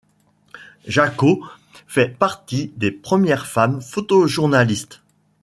Jacot fait partie des premières femmes photojournalistes.